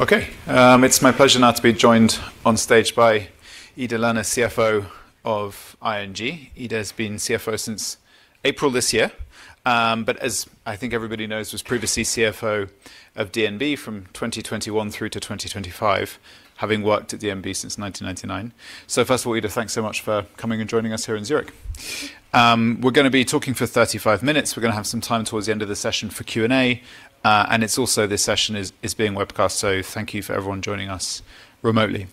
Okay. It's my pleasure now to be joined on stage by Ida Lerner, CFO of ING. Ida has been CFO since April this year. As I think everybody knows, was previously CFO of DNB from 2021 through to 2025, having worked at DNB since 1999. First of all, Ida, thanks so much for coming and joining us here in Zurich. We're going to be talking for 35 minutes. We're going to have some time towards the end of the session for Q&A. Also, this session is being webcast, thank you for everyone joining us remotely.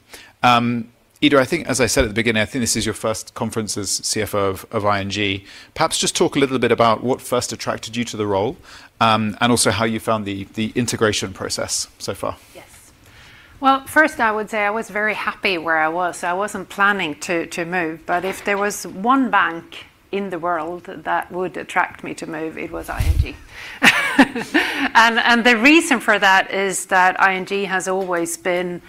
Ida, I think as I said at the beginning, I think this is your first conference as CFO of ING. Perhaps just talk a little bit about what first attracted you to the role, also how you found the integration process so far. Well, first I would say I was very happy where I was, so I wasn't planning to move. If there was one bank in the world that would attract me to move, it was ING. The reason for that is that ING has always been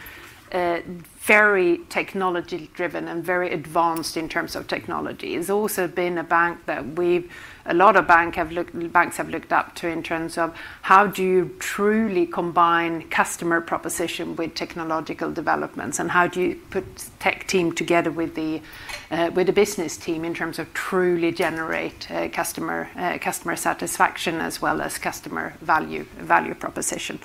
very technology driven and very advanced in terms of technology. It's also been a bank that a lot of banks have looked up to in terms of how do you truly combine customer proposition with technological developments, and how do you put tech team together with the business team in terms of truly generate customer satisfaction as well as customer value proposition.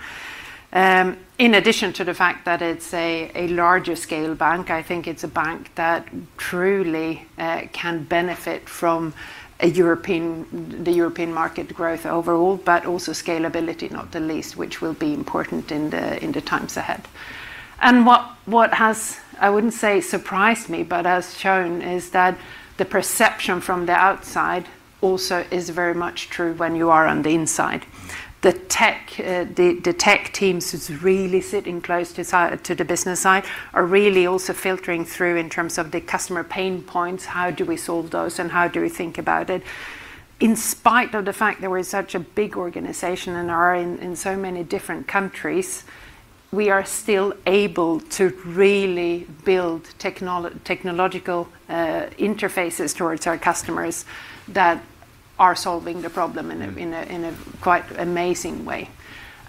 In addition to the fact that it's a larger scale bank, I think it's a bank that truly can benefit from the European market growth overall, but also scalability, not the least, which will be important in the times ahead. What has, I wouldn't say surprised me, but has shown, is that the perception from the outside also is very much true when you are on the inside. The tech teams who's really sitting close to the business side are really also filtering through in terms of the customer pain points, how do we solve those and how do we think about it. In spite of the fact that we're such a big organization and are in so many different countries, we are still able to really build technological interfaces towards our customers that are solving the problem in a quite amazing way.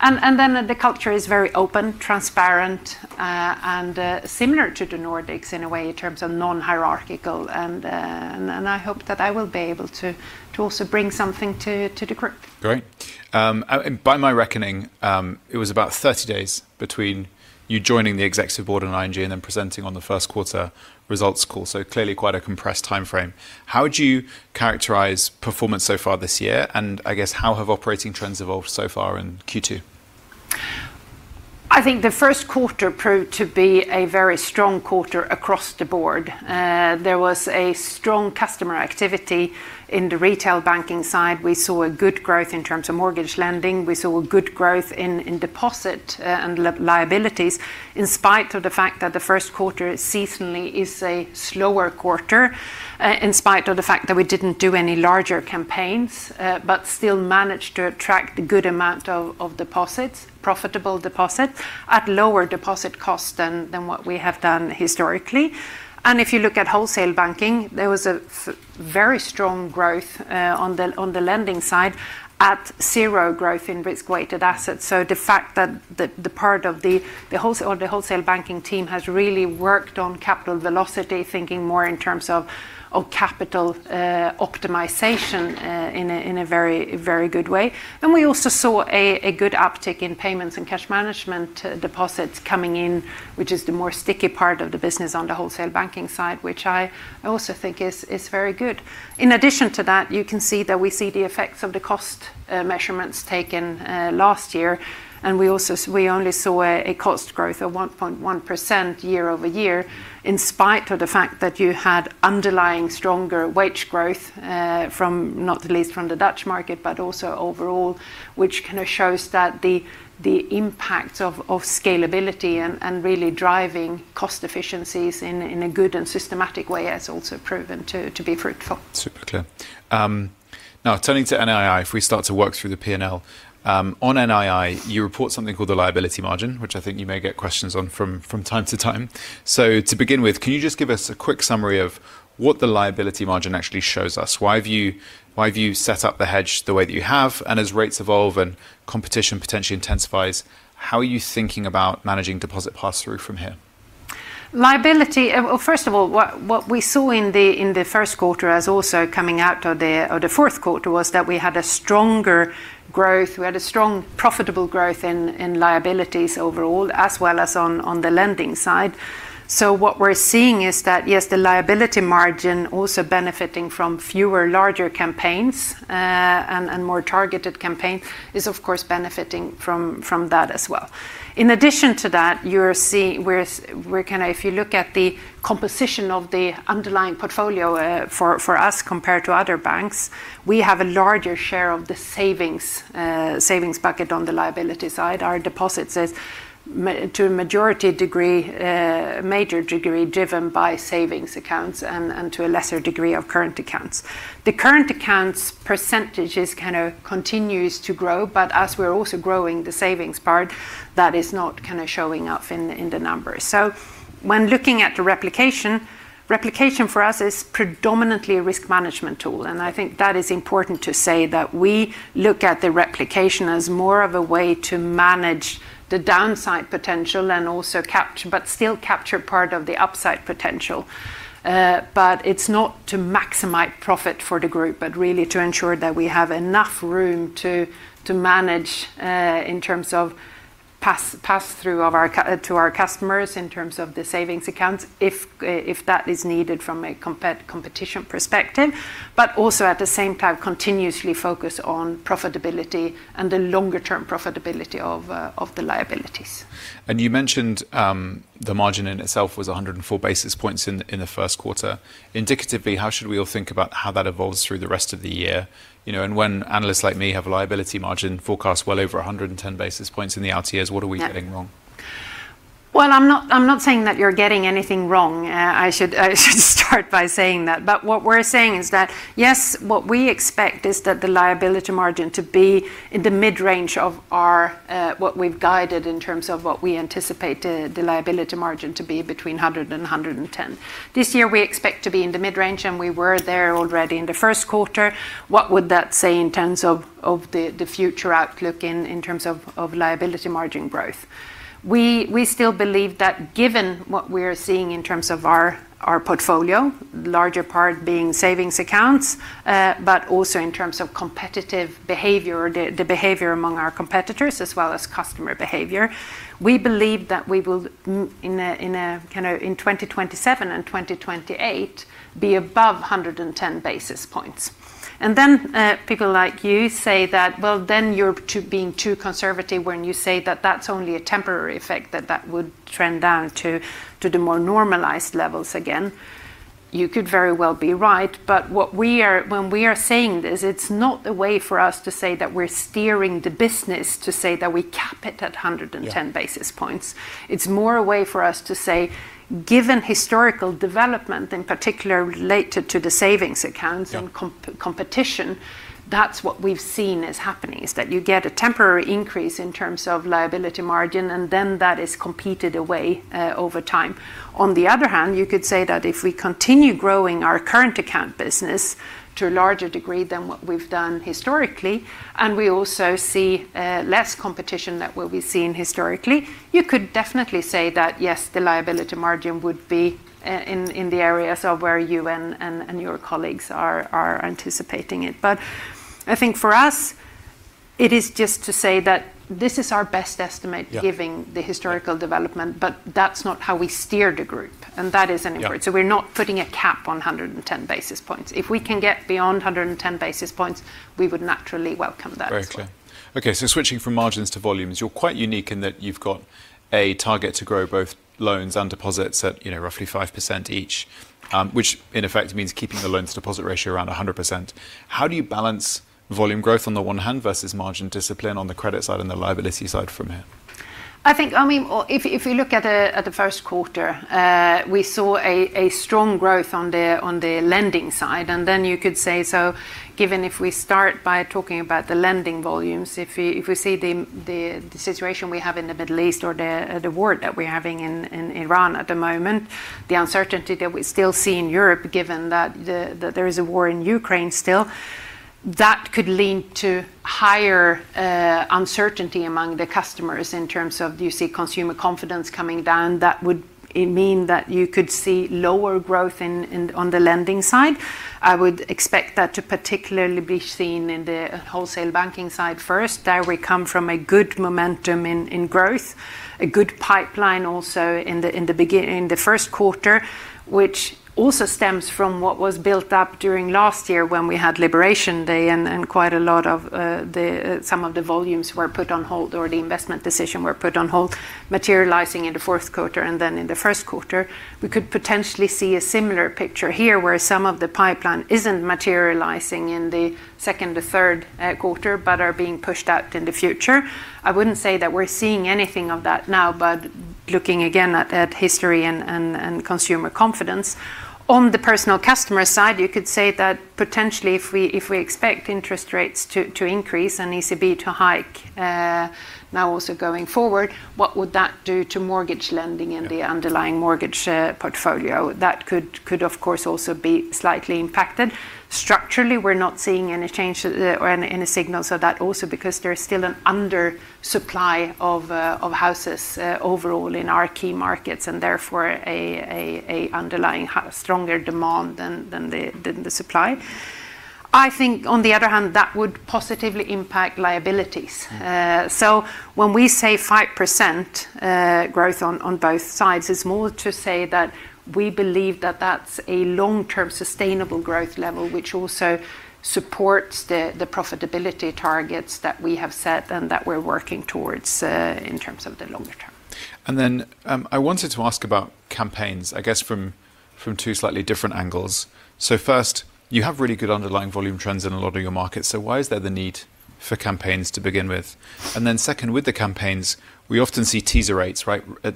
The culture is very open, transparent, and similar to the Nordics in a way in terms of non-hierarchical, and I hope that I will be able to also bring something to the group. Great. By my reckoning, it was about 30 days between you joining the Executive Board in ING and then presenting on the first quarter results call. Clearly quite a compressed timeframe. How would you characterize performance so far this year? I guess how have operating trends evolved so far in Q2? I think the first quarter proved to be a very strong quarter across the board. There was a strong customer activity in the retail banking side. We saw a good growth in terms of mortgage lending. We saw a good growth in deposit and liabilities in spite of the fact that the first quarter seasonally is a slower quarter, in spite of the fact that we didn't do any larger campaigns, but still managed to attract a good amount of deposits, profitable deposits, at lower deposit cost than what we have done historically. If you look at wholesale banking, there was a very strong growth on the lending side at zero growth in risk-weighted assets. The fact that the part of the wholesale banking team has really worked on capital velocity, thinking more in terms of capital optimization in a very good way. We also saw a good uptick in payments and cash management deposits coming in, which is the more sticky part of the business on the wholesale banking side, which I also think is very good. In addition to that, you can see that we see the effects of the cost measurements taken last year, and we only saw a cost growth of 1.1% year-over-year in spite of the fact that you had underlying stronger wage growth, not least from the Dutch market, but also overall, which shows that the impact of scalability and really driving cost efficiencies in a good and systematic way has also proven to be fruitful. Super clear. Turning to NII, if we start to work through the P&L. On NII, you report something called the liability margin, which I think you may get questions on from time to time. To begin with, can you just give us a quick summary of what the liability margin actually shows us? Why have you set up the hedge the way that you have, and as rates evolve and competition potentially intensifies, how are you thinking about managing deposit pass-through from here? Liability. First of all, what we saw in the first quarter as also coming out of the fourth quarter was that we had a stronger growth. We had a strong profitable growth in liabilities overall as well as on the lending side. What we're seeing is that, yes, the liability margin also benefiting from fewer larger campaigns, and more targeted campaign is, of course, benefiting from that as well. In addition to that, if you look at the composition of the underlying portfolio for us compared to other banks, we have a larger share of the savings bucket on the liability side. Our deposits is, to a major degree, driven by savings accounts and to a lesser degree of current accounts. The current accounts percentage continues to grow, as we're also growing the savings part, that is not showing up in the numbers. When looking at the replication for us is predominantly a risk management tool. I think that is important to say that we look at the replication as more of a way to manage the downside potential but still capture part of the upside potential. It's not to maximize profit for the group, but really to ensure that we have enough room to manage, in terms of pass through to our customers in terms of the savings accounts if that is needed from a competition perspective, but also at the same time continuously focus on profitability and the longer-term profitability of the liabilities. You mentioned the margin in itself was 104 basis points in the first quarter. Indicatively, how should we all think about how that evolves through the rest of the year? When analysts like me have a liability margin forecast well over 110 basis points in the LTs, what are we getting wrong? Well, I'm not saying that you're getting anything wrong. I should start by saying that. What we're saying is that, yes, what we expect is that the liability margin to be in the mid-range of what we've guided in terms of what we anticipate the liability margin to be between 100 basis points and 110 basis points. This year, we expect to be in the mid-range, and we were there already in the first quarter. What would that say in terms of the future outlook in terms of liability margin growth? We still believe that given what we're seeing in terms of our portfolio, larger part being savings accounts, but also in terms of competitive behavior, the behavior among our competitors as well as customer behavior, we believe that we will, in 2027 and 2028, be above 110 basis points. People like you say that, "Well, then you're being too conservative when you say that that's only a temporary effect, that that would trend down to the more normalized levels again." You could very well be right, but when we are saying this, it's not a way for us to say that we're steering the business to say that we cap it at 110 basis points. Yeah. It's more a way for us to say, given historical development, in particular related to the savings accounts- Yeah. ...competition, that is what we have seen is happening, is that you get a temporary increase in terms of liability margin, then that is competed away over time. On the other hand, you could say that if we continue growing our current account business to a larger degree than what we have done historically, we also see less competition than what we have seen historically, you could definitely say that, yes, the liability margin would be in the areas of where you and your colleagues are anticipating it. I think for us, it is just to say that this is our best estimate- Yeah. ...given the historical development, but that's not how we steer the group, and that is an input. Yeah. We're not putting a cap on 110 basis points. If we can get beyond 110 basis points, we would naturally welcome that as well. Very clear. Okay, switching from margins to volumes, you're quite unique in that you've got a target to grow both loans and deposits at roughly 5% each, which in effect means keeping the loans deposit ratio around 100%. How do you balance volume growth on the one hand versus margin discipline on the credit side and the liability side from here? If we look at the first quarter, we saw a strong growth on the lending side, and then you could say, so given if we start by talking about the lending volumes, if we see the situation we have in the Middle East or the war that we're having in Iran at the moment, the uncertainty that we still see in Europe, given that there is a war in Ukraine still, that could lead to higher uncertainty among the customers in terms of you see consumer confidence coming down. That would mean that you could see lower growth on the lending side. I would expect that to particularly be seen in the wholesale banking side first. There we come from a good momentum in growth, a good pipeline also in the first quarter, which also stems from what was built up during last year when we had Liberation Day and quite a lot of some of the volumes were put on hold, or the investment decision were put on hold, materializing in the fourth quarter and then in the first quarter. We could potentially see a similar picture here, where some of the pipeline isn't materializing in the second or third quarter but are being pushed out in the future. I wouldn't say that we're seeing anything of that now, but looking again at history and consumer confidence. On the personal customer side, you could say that potentially if we expect interest rates to increase and ECB to hike, now also going forward, what would that do to mortgage lending- Yeah. ...and the underlying mortgage portfolio? That could of course also be slightly impacted. Structurally, we're not seeing any change or any signals of that also because there's still an under supply of houses overall in our key markets, and therefore, a underlying stronger demand than the supply. I think on the other hand, that would positively impact liabilities. When we say 5% growth on both sides, it's more to say that we believe that that's a long-term sustainable growth level, which also supports the profitability targets that we have set and that we're working towards in terms of the longer term. I wanted to ask about campaigns, I guess from two slightly different angles. First, you have really good underlying volume trends in a lot of your markets. Why is there the need for campaigns to begin with? Second, with the campaigns, we often see teaser rates right at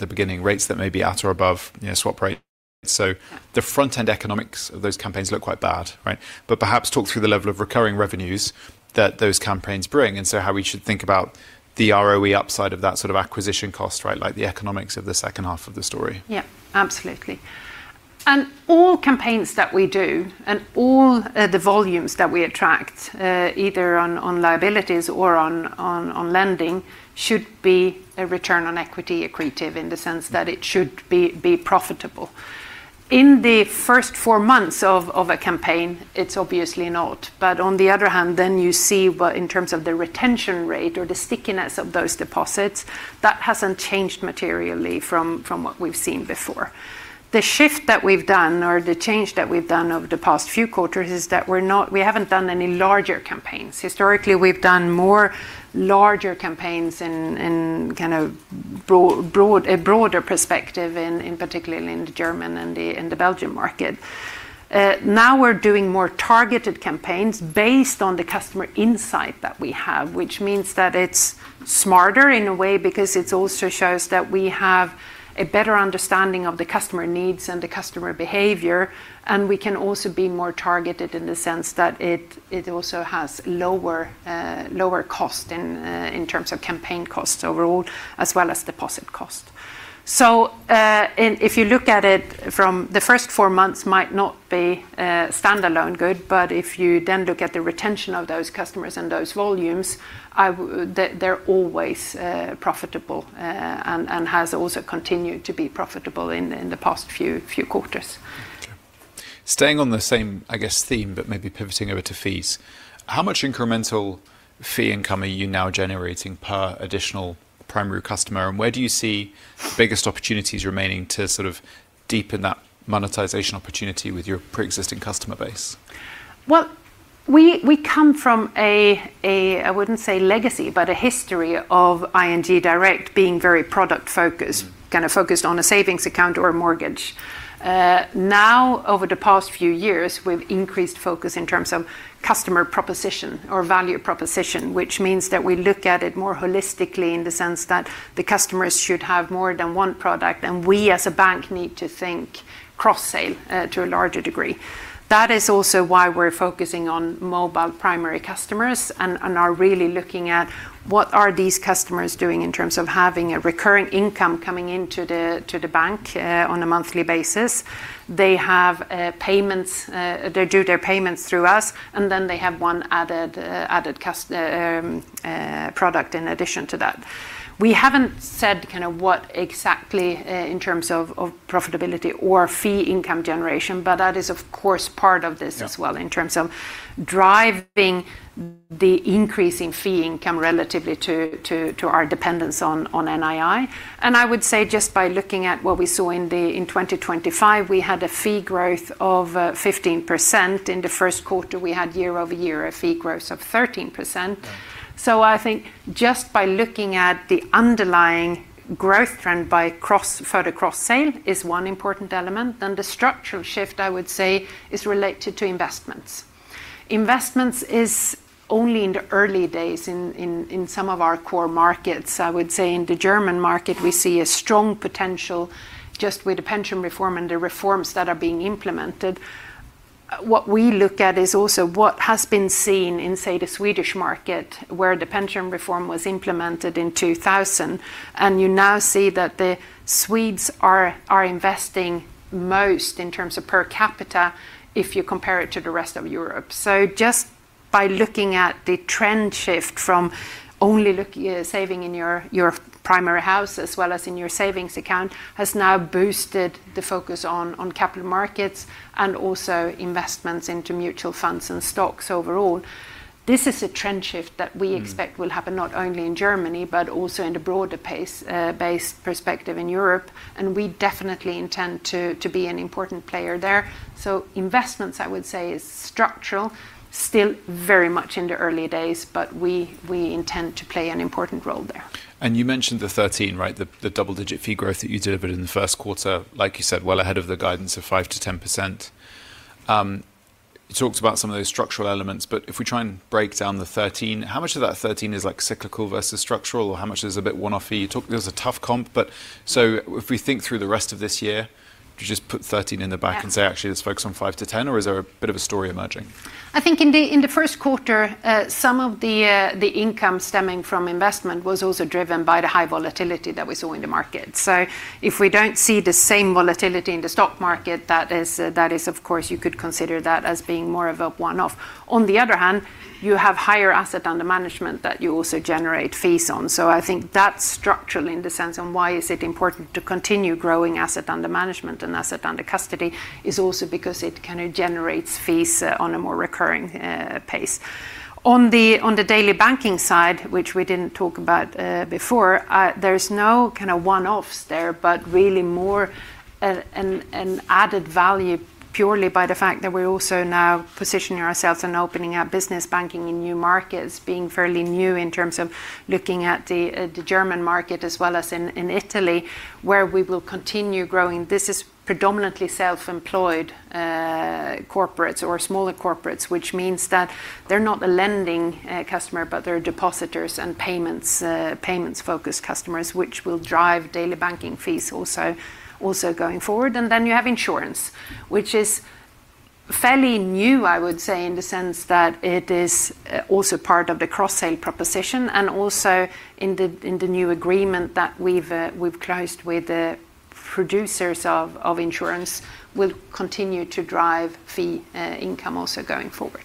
the beginning, rates that may be at or above swap rates. The front-end economics of those campaigns look quite bad, right? Perhaps talk through the level of recurring revenues that those campaigns bring, how we should think about the ROE upside of that sort of acquisition cost, right? Like the economics of the second half of the story. Yeah, absolutely. All campaigns that we do and all the volumes that we attract, either on liabilities or on lending, should be a return on equity accretive in the sense that it should be profitable. In the first four months of a campaign, it's obviously not. On the other hand, then you see what, in terms of the retention rate or the stickiness of those deposits, that hasn't changed materially from what we've seen before. The shift that we've done or the change that we've done over the past few quarters is that we haven't done any larger campaigns. Historically, we've done more larger campaigns in kind of a broader perspective, in particularly in the German and the Belgium market. Now we're doing more targeted campaigns based on the customer insight that we have, which means that it's smarter in a way because it also shows that we have a better understanding of the customer needs and the customer behavior, and we can also be more targeted in the sense that it also has lower cost in terms of campaign costs overall, as well as deposit cost. If you look at it from the first four months might not be standalone good, but if you then look at the retention of those customers and those volumes, they're always profitable, and has also continued to be profitable in the past few quarters. Okay. Staying on the same, I guess, theme, but maybe pivoting over to fees. How much incremental fee income are you now generating per additional primary customer, and where do you see biggest opportunities remaining to sort of deepen that monetization opportunity with your preexisting customer base? Well, we come from a, I wouldn't say legacy, but a history of ING Direct being very product-focused. Kind of focused on a savings account or a mortgage. Over the past few years, we've increased focus in terms of customer proposition or value proposition, which means that we look at it more holistically in the sense that the customers should have more than one product, and we, as a bank, need to think cross-sale, to a larger degree. That is also why we're focusing on mobile primary customers and are really looking at what are these customers doing in terms of having a recurring income coming into the bank on a monthly basis. They do their payments through us, and then they have one added product in addition to that. We haven't said kind of what exactly, in terms of profitability or fee income generation, but that is, of course, part of this as well- Yeah. ...in terms of driving the increasing fee income relatively to our dependence on NII. I would say just by looking at what we saw in 2025, we had a fee growth of 15%. In the first quarter, we had year-over-year a fee growth of 13%. Yeah. I think just by looking at the underlying growth trend by further cross-sale is one important element. The structural shift, I would say, is related to investments. Investments is only in the early days in some of our core markets. I would say in the German market, we see a strong potential just with the pension reform and the reforms that are being implemented. What we look at is also what has been seen in, say, the Swedish market, where the pension reform was implemented in 2000. You now see that the Swedes are investing most in terms of per capita if you compare it to the rest of Europe. Just by looking at the trend shift from only look saving in your primary house as well as in your savings account has now boosted the focus on capital markets and also investments into mutual funds and stocks overall. This is a trend shift that we expect. Will happen not only in Germany, but also in the broader base perspective in Europe, and we definitely intend to be an important player there. Investments, I would say, is structural. Still very much in the early days, but we intend to play an important role there. You mentioned the 13%, right? The double-digit fee growth that you delivered in the first quarter. Like you said, well ahead of the guidance of 5%-10%. You talked about some of those structural elements. If we try and break down the 13%, how much of that 13% is cyclical versus structural, or how much is a bit one-off fee? There's a tough comp. If we think through the rest of this year, do you just put 13% in the back- Yeah. ...say, "Actually, let's focus on 5%-10%," or is there a bit of a story emerging? I think in the first quarter, some of the income stemming from investment was also driven by the high volatility that we saw in the market. If we don't see the same volatility in the stock market, that is, of course, you could consider that as being more of a one-off. On the other hand, you have higher assets under management that you also generate fees on. I think that's structural in the sense on why is it important to continue growing assets under management and assets under custody is also because it kind of generates fees on a more recurring pace. On the daily banking side, which we didn't talk about before, there's no kind of one-offs there, but really more an added value purely by the fact that we're also now positioning ourselves and opening up business banking in new markets, being fairly new in terms of looking at the German market as well as in Italy, where we will continue growing. This is predominantly self-employed corporates or smaller corporates, which means that they're not a lending customer, but they're depositors and payments-focused customers, which will drive daily banking fees also going forward. Then you have insurance, which is fairly new, I would say, in the sense that it is also part of the cross-sale proposition, and also in the new agreement that we've closed with producers of insurance will continue to drive fee income also going forward.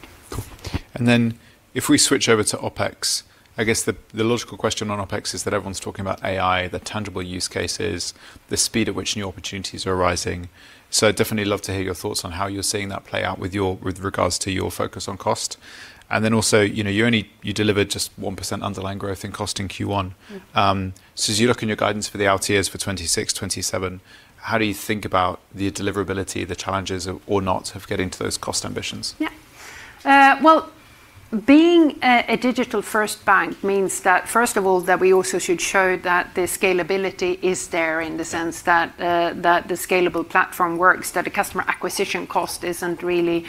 If we switch over to OpEx, I guess the logical question on OpEx is that everyone's talking about AI, the tangible use cases, the speed at which new opportunities are arising. Definitely love to hear your thoughts on how you're seeing that play out with regards to your focus on cost. Also, you delivered just 1% underlying growth in cost in Q1. As you look in your guidance for the out years for 2026-2027, how do you think about the deliverability, the challenges or not of getting to those cost ambitions? Well, being a digital-first bank means that, first of all, that we also should show that the scalability is there in the sense that the scalable platform works, that the customer acquisition cost isn't really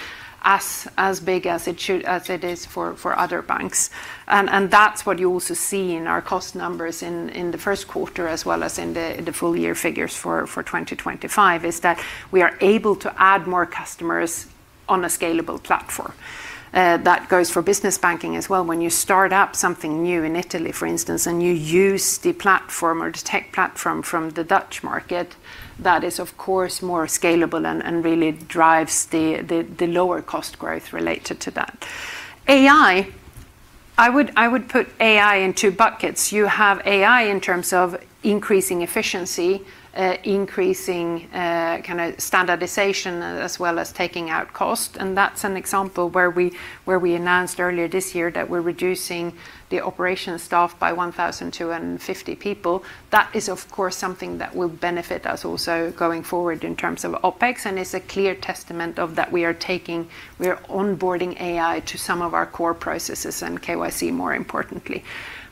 as big as it is for other banks. That's what you also see in our cost numbers in the first quarter as well as in the full year figures for 2025, is that we are able to add more customers on a scalable platform. That goes for business banking as well. When you start up something new in Italy, for instance, and you use the platform or the tech platform from the Dutch market, that is of course more scalable and really drives the lower cost growth related to that. I would put AI in two buckets. You have AI in terms of increasing efficiency, increasing kind of standardization, as well as taking out cost. That's an example where we announced earlier this year that we're reducing the operation staff by 1,250 people. That is, of course, something that will benefit us also going forward in terms of OpEx, and is a clear testament of that we are onboarding AI to some of our core processes and KYC more importantly.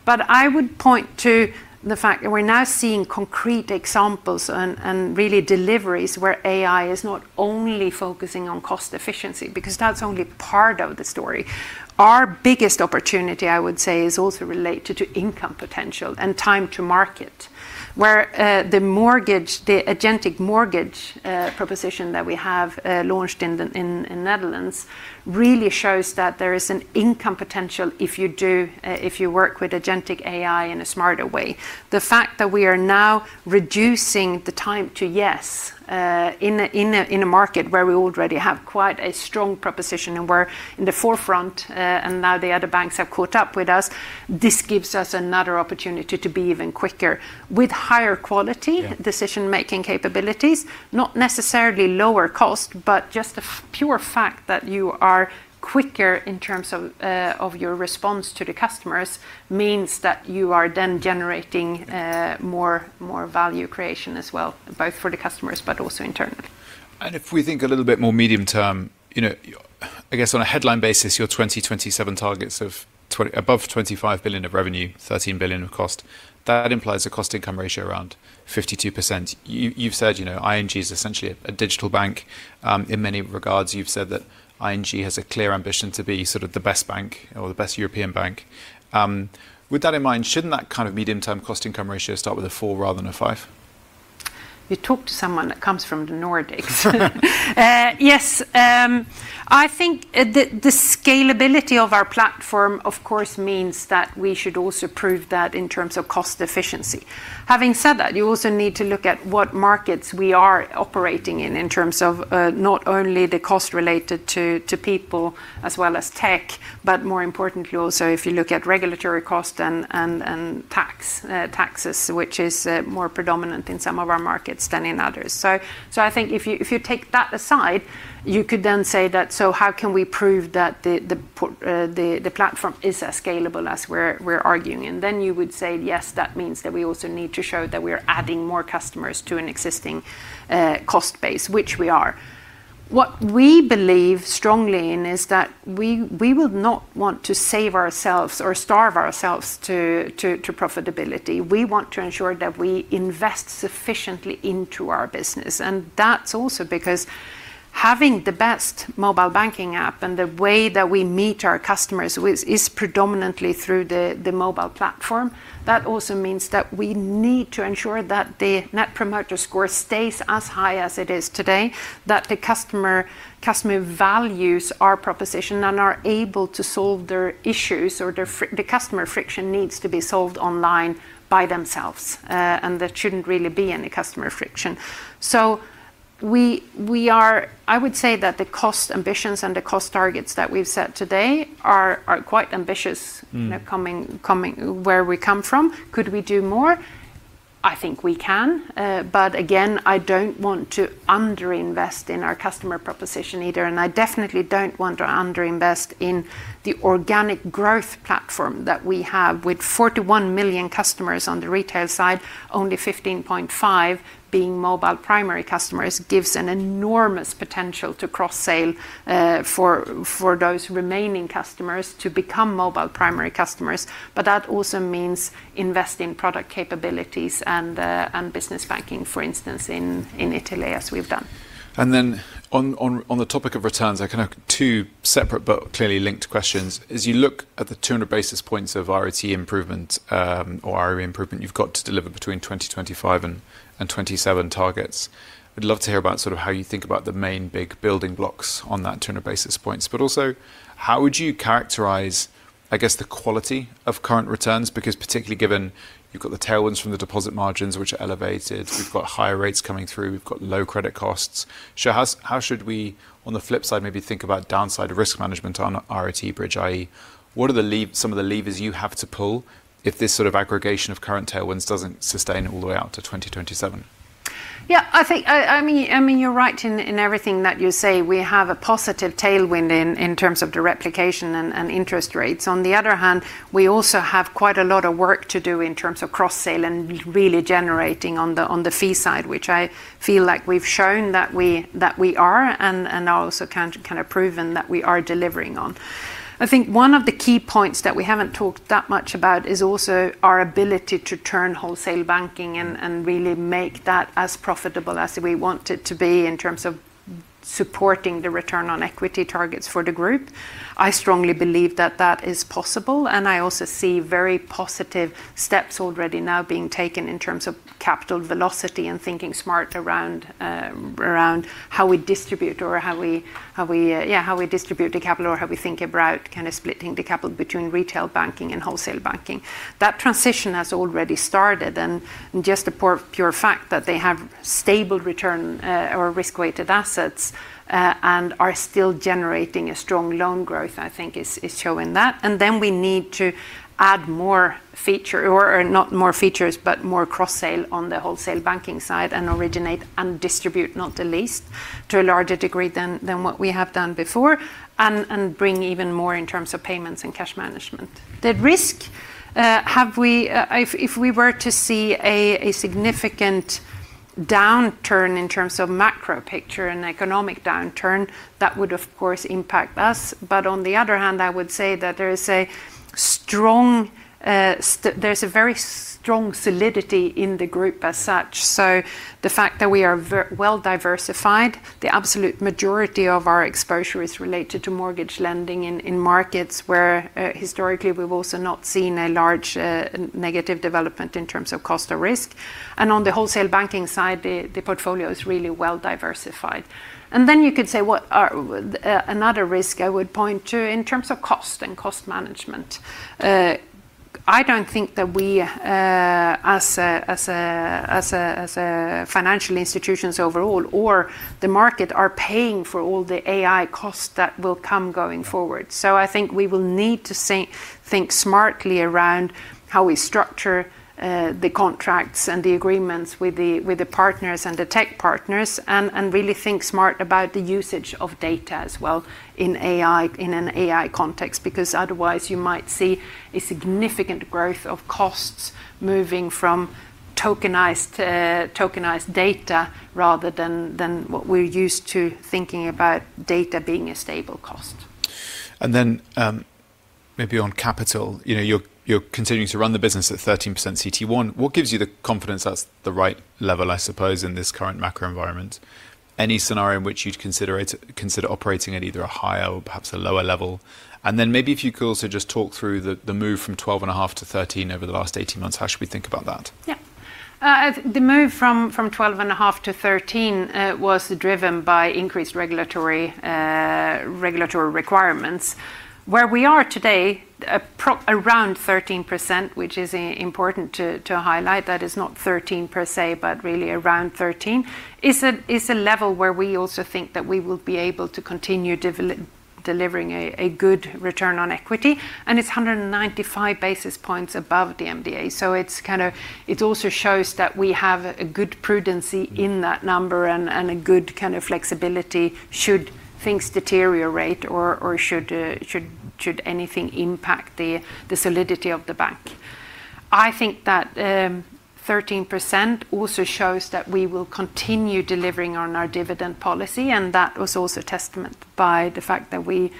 I would point to the fact that we're now seeing concrete examples and really deliveries where AI is not only focusing on cost efficiency, because that's only part of the story. Our biggest opportunity, I would say, is also related to income potential and time to market, where the agentic mortgage proposition that we have launched in Netherlands really shows that there is an income potential if you work with agentic AI in a smarter way. The fact that we are now reducing the time to yes in a market where we already have quite a strong proposition and we're in the forefront, and now the other banks have caught up with us, this gives us another opportunity to be even quicker with higher quality- Yeah. ...decision-making capabilities, not necessarily lower cost, but just the pure fact that you are quicker in terms of your response to the customers means that you are then generating- Yeah. ...more value creation as well, both for the customers but also internally. If we think a little bit more medium term, I guess on a headline basis, your 2027 targets of above 25 billion of revenue, 13 billion of cost, that implies a cost-to-income ratio around 52%. You've said ING is essentially a digital bank. In many regards, you've said that ING has a clear ambition to be sort of the best bank or the best European bank. With that in mind, shouldn't that kind of medium-term cost-to-income ratio start with 4 rather than 5? You talked to someone that comes from the Nordics. Yes. I think the scalability of our platform, of course, means that we should also prove that in terms of cost efficiency. Having said that, you also need to look at what markets we are operating in terms of not only the cost related to people as well as tech, but more importantly also if you look at regulatory cost and taxes, which is more predominant in some of our markets than in others. I think if you take that aside, you could then say that, how can we prove that the platform is as scalable as we're arguing? You would say, yes, that means that we also need to show that we are adding more customers to an existing cost base, which we are. What we believe strongly in is that we will not want to save ourselves or starve ourselves to profitability. We want to ensure that we invest sufficiently into our business. That's also because having the best mobile banking app and the way that we meet our customers is predominantly through the mobile platform. That also means that we need to ensure that the Net Promoter Score stays as high as it is today, that the customer values our proposition and are able to solve their issues, or the customer friction needs to be solved online by themselves. There shouldn't really be any customer friction. I would say that the cost ambitions and the cost targets that we've set today are quite ambitious coming where we come from. Could we do more? I think we can. Again, I don't want to under-invest in our customer proposition either. I definitely don't want to under-invest in the organic growth platform that we have with 41 million customers on the retail side, only 15.5 million being mobile primary customers gives an enormous potential to cross-sale for those remaining customers to become mobile primary customers. That also means investing product capabilities and business banking, for instance, in Italy, as we've done. On the topic of returns, kind of two separate but clearly linked questions. As you look at the 200 basis points of RoT improvement or RoE improvement you've got to deliver between 2025 and 2027 targets, I'd love to hear about sort of how you think about the main big building blocks on that 200 basis points. Also, how would you characterize, I guess, the quality of current returns? Because particularly given you've got the tailwinds from the deposit margins, which are elevated, we've got higher rates coming through, we've got low credit costs. How should we, on the flip side, maybe think about downside risk management on RoT bridge, i.e., what are some of the levers you have to pull if this sort of aggregation of current tailwinds doesn't sustain all the way out to 2027? Yeah, you're right in everything that you say. We have a positive tailwind in terms of the replication and interest rates. On the other hand, we also have quite a lot of work to do in terms of cross-sale and really generating on the fee side, which I feel like we've shown that we are, and also kind of proven that we are delivering on. I think one of the key points that we haven't talked that much about is also our ability to turn wholesale banking and really make that as profitable as we want it to be in terms of supporting the return on equity targets for the group. I strongly believe that is possible, and I also see very positive steps already now being taken in terms of capital velocity and thinking smart around how we distribute the capital or how we think about kind of splitting the capital between retail banking and wholesale banking. That transition has already started, and just the pure fact that they have stable return on risk-weighted assets and are still generating a strong loan growth, I think is showing that. We need to add more feature, or not more features, but more cross-sale on the wholesale banking side and originate and distribute, not the least, to a larger degree than what we have done before, and bring even more in terms of payments and cash management. The risk, if we were to see a significant downturn in terms of macro picture and economic downturn, that would of course impact us. On the other hand, I would say that there's a very strong solidity in the group as such. The fact that we are well-diversified, the absolute majority of our exposure is related to mortgage lending in markets where historically we've also not seen a large negative development in terms of cost of risk. On the wholesale banking side, the portfolio is really well diversified. You could say another risk I would point to in terms of cost and cost management. I don't think that we, as financial institutions overall, or the market are paying for all the AI costs that will come going forward. I think we will need to think smartly around how we structure the contracts and the agreements with the partners and the tech partners and really think smart about the usage of data as well in an AI context, because otherwise you might see a significant growth of costs moving from tokenized data rather than what we're used to thinking about data being a stable cost. Maybe on capital, you're continuing to run the business at 13% CET1. What gives you the confidence that's the right level, I suppose, in this current macro environment? Any scenario in which you'd consider operating at either a higher or perhaps a lower level? maybe if you could also just talk through the move from 12.5%-13% over the last 18 months. How should we think about that? Yeah. The move from 12.5%-13% was driven by increased regulatory requirements. Where we are today, around 13%, which is important to highlight, that is not 13 per se, but really around 13%, is a level where we also think that we will be able to continue delivering a good return on equity, and it's 195 basis points above the MDA. It also shows that we have a good prudency in that number and a good kind of flexibility should things deteriorate or should anything impact the solidity of the bank. I think that 13% also shows that we will continue delivering on our dividend policy, and that was also testament by the fact that we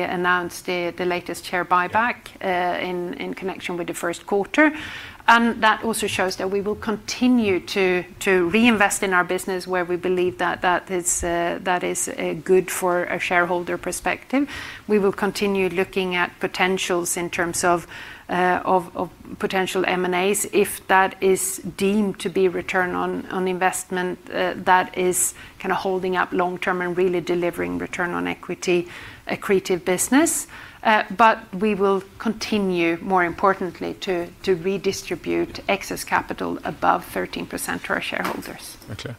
announced the latest share buyback in connection with the first quarter. That also shows that we will continue to reinvest in our business where we believe that is good for a shareholder perspective. We will continue looking at potentials in terms of potential M&As, if that is deemed to be return on investment that is kind of holding up long term and really delivering return on equity accretive business. we will continue, more importantly, to redistribute excess capital above 13% to our shareholders. Okay.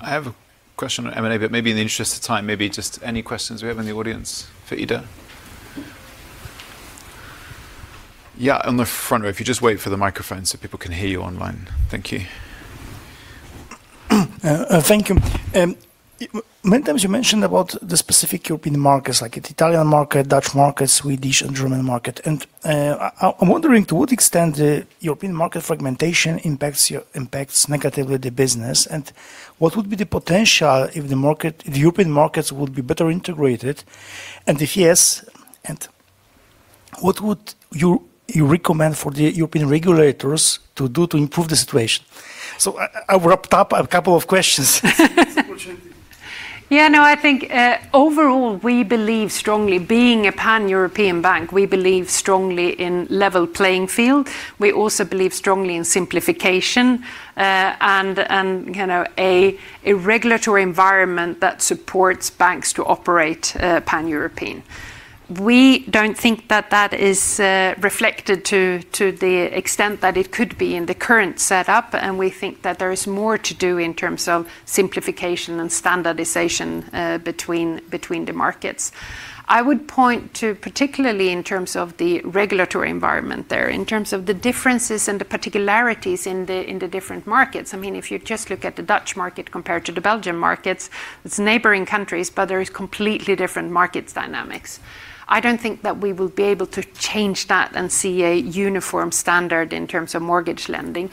I have a question on M&A, but maybe in the interest of time, maybe just any questions we have in the audience for Ida? Yeah, on the front row. If you just wait for the microphone so people can hear you online. Thank you. Thank you. Many times you mentioned about the specific European markets, like the Italian market, Dutch market, Swedish and German market. I'm wondering, to what extent the European market fragmentation impacts negatively the business, and what would be the potential if the European markets would be better integrated? If yes, what would you recommend for the European regulators to do to improve the situation? I wrapped up a couple of questions. Yeah, no, I think, overall we believe strongly, being a pan-European bank, we believe strongly in level playing field. We also believe strongly in simplification, and a regulatory environment that supports banks to operate pan-European. We don't think that that is reflected to the extent that it could be in the current setup, and we think that there is more to do in terms of simplification and standardization between the markets. I would point to particularly in terms of the regulatory environment there, in terms of the differences and the particularities in the different markets. If you just look at the Dutch market compared to the Belgian markets, it's neighboring countries, but there is completely different market dynamics. I don't think that we will be able to change that and see a uniform standard in terms of mortgage lending.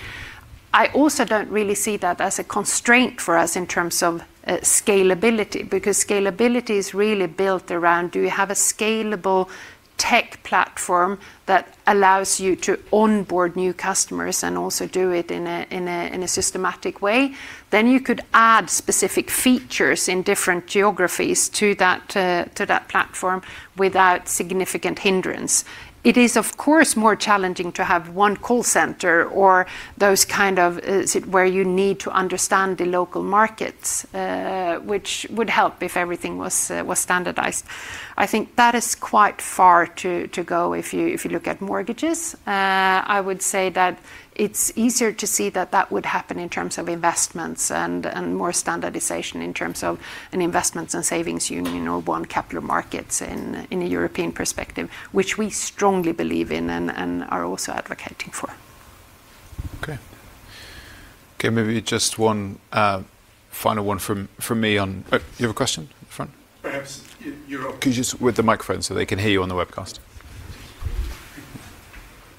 I also don't really see that as a constraint for us in terms of scalability, because scalability is really built around do you have a scalable tech platform that allows you to onboard new customers and also do it in a systematic way? You could add specific features in different geographies to that platform without significant hindrance. It is, of course, more challenging to have one call center or those kind of, where you need to understand the local markets, which would help if everything was standardized. I think that is quite far to go if you look at mortgages. I would say that it's easier to see that would happen in terms of investments and more standardization in terms of an investments and savings union or one capital markets in a European perspective, which we strongly believe in and are also advocating for. Okay, maybe just one final one from me on Oh, you have a question at the front? Perhaps in Europe. Could you just with the microphone so they can hear you on the webcast.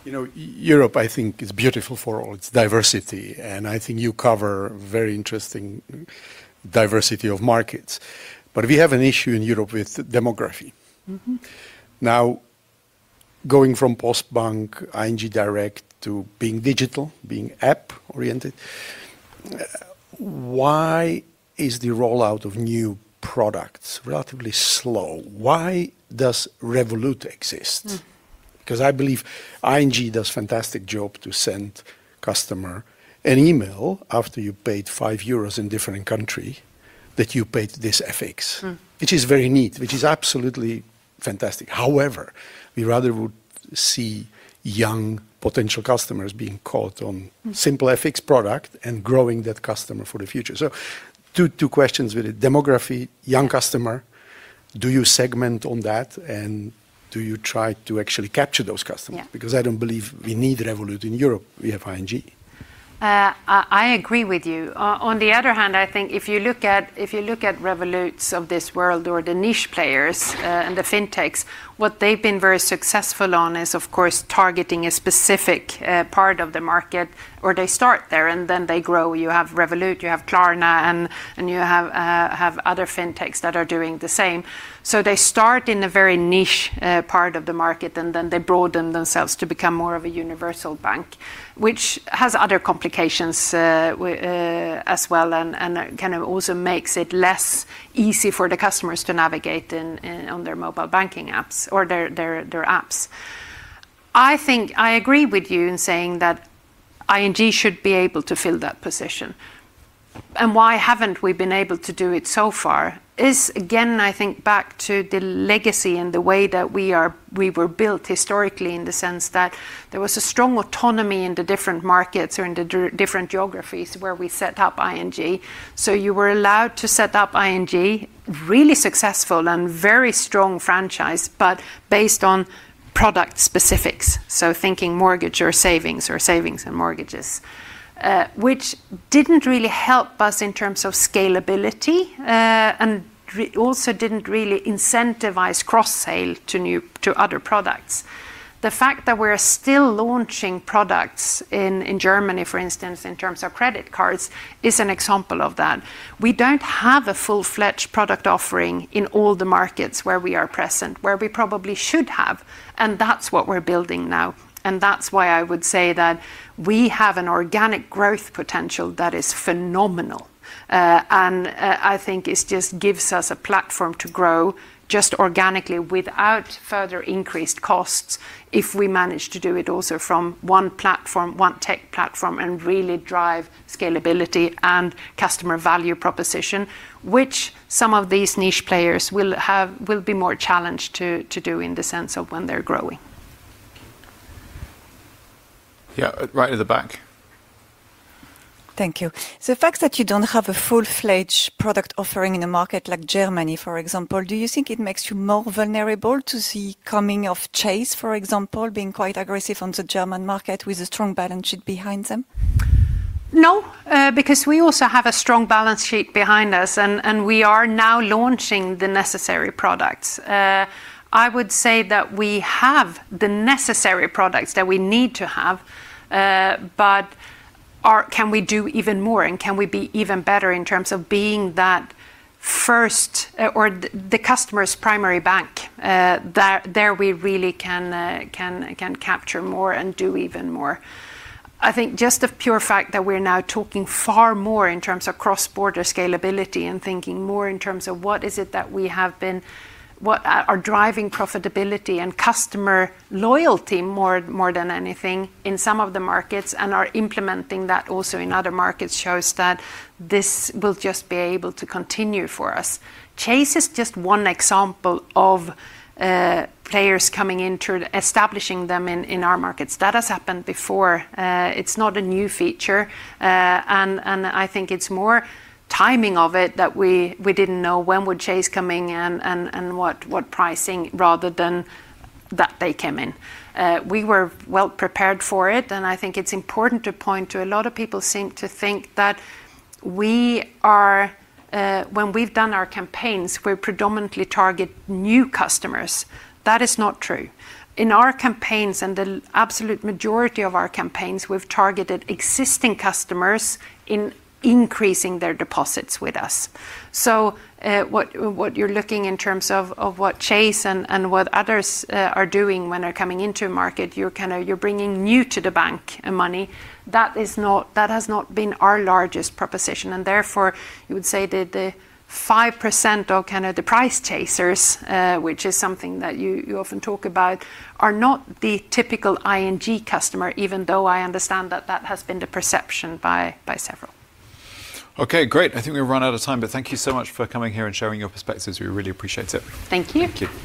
Europe, I think, is beautiful for all its diversity, and I think you cover very interesting diversity of markets. We have an issue in Europe with demography. Now, going from Postbank, ING Direct to being digital, being app-oriented, why is the rollout of new products relatively slow? Why does Revolut exist? Because I believe ING does fantastic job to send customer an email after you paid 5 euros in different country that you paid this FX. Which is very neat. Which is absolutely fantastic. However, we rather would see young potential customers being caught on simple FX product and growing that customer for the future. two questions with it, demography, young customer. Do you segment on that, and do you try to actually capture those customers? Yeah. I don't believe we need Revolut in Europe. We have ING. I agree with you. On the other hand, I think if you look at Revoluts of this world or the niche players, and the fintechs, what they've been very successful on is, of course, targeting a specific part of the market, or they start there and then they grow. You have Revolut, you have Klarna, and you have other fintechs that are doing the same. they start in a very niche part of the market, and then they broaden themselves to become more of a universal bank, which has other complications as well, and kind of also makes it less easy for the customers to navigate on their mobile banking apps or their apps. I think I agree with you in saying that ING should be able to fill that position. Why haven't we been able to do it so far is, again, I think back to the legacy and the way that we were built historically, in the sense that there was a strong autonomy in the different markets or in the different geographies where we set up ING. You were allowed to set up ING, really successful and very strong franchise, but based on product specifics, so thinking mortgage or savings, or savings and mortgages, which didn't really help us in terms of scalability, and also didn't really incentivize cross-sale to other products. The fact that we're still launching products in Germany, for instance, in terms of credit cards, is an example of that. We don't have a full-fledged product offering in all the markets where we are present, where we probably should have, and that's what we're building now. That's why I would say that we have an organic growth potential that is phenomenal. I think it just gives us a platform to grow just organically without further increased costs if we manage to do it also from one tech platform, and really drive scalability and customer value proposition, which some of these niche players will be more challenged to do in the sense of when they're growing. Yeah, right at the back. Thank you. The fact that you don't have a full-fledged product offering in a market like Germany, for example, do you think it makes you more vulnerable to see coming of Chase, for example, being quite aggressive on the German market with a strong balance sheet behind them? No, because we also have a strong balance sheet behind us, and we are now launching the necessary products. I would say that we have the necessary products that we need to have. Can we do even more, and can we be even better in terms of being that first or the customer's primary bank? There we really can capture more and do even more. I think just the pure fact that we're now talking far more in terms of cross-border scalability and thinking more in terms of what are driving profitability and customer loyalty more than anything in some of the markets, and are implementing that also in other markets, shows that this will just be able to continue for us. Chase is just one example of players coming in, establishing them in our markets. That has happened before. It's not a new feature. I think it's more timing of it that we didn't know when would Chase coming and what pricing rather than that they came in. We were well prepared for it, and I think it's important to point to a lot of people seem to think that when we've done our campaigns, we predominantly target new customers. That is not true. In our campaigns and the absolute majority of our campaigns, we've targeted existing customers in increasing their deposits with us. What you're looking in terms of what Chase and what others are doing when they're coming into market, you're bringing new to the bank money. That has not been our largest proposition, and therefore, you would say that the 5% or kind of the price chasers, which is something that you often talk about, are not the typical ING customer, even though I understand that that has been the perception by several. Okay, great. I think we've run out of time, but thank you so much for coming here and sharing your perspectives. We really appreciate it. Thank you. Thank you.